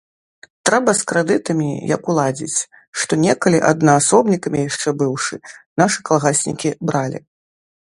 Трэба з крэдытамі як уладзіць, што некалі, аднаасобнікамі яшчэ быўшы, нашы калгаснікі бралі.